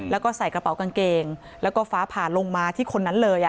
แล้วก็ใส่กระเป๋ากางเกงแล้วก็ฟ้าผ่าลงมาที่คนนั้นเลย